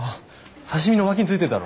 刺身の脇についてるだろ？